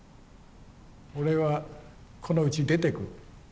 俺はこのうち出てく。